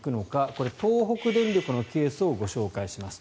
これ、東北電力のケースをご紹介します。